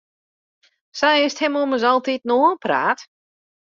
Sa is it him ommers altiten oanpraat.